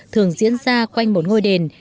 thường diễn ra quanh một ngôi đền